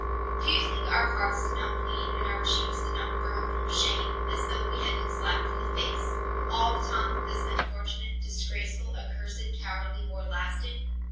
Do you think our hearts did not bleed and our cheeks did not burn from shame, as though we had been slapped in the face, all the time that this unfortunate, disgraceful, accursed, cowardly war lasted.